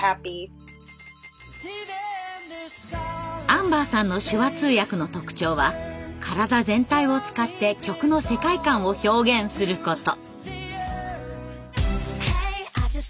アンバーさんの手話通訳の特徴は体全体を使って曲の世界観を表現すること。